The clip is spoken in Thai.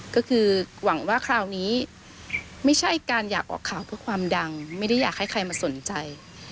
ก็คือหวังว่าคราวนี้ไม่ใช่การอยากออกข่าวเพื่อความดังไม่ได้อยากให้ใครมาสนใจ